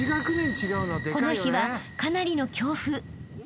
［この日はかなりの強風］